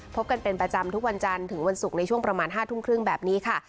พบกันเป็นประจำทุกวันจันทร์ถึงวันศุกร์ในช่วงประมาณ๕ทุ่มครึ่งแบบนี้ค่ะ